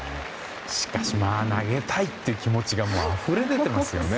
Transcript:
しかしまあ投げたいという気持ちがもう、あふれ出ていますね。